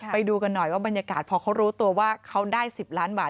ไปดูกันหน่อยว่าบรรยากาศพอเขารู้ตัวว่าเขาได้๑๐ล้านบาท